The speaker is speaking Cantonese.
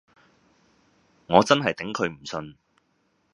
我真係頂佢唔順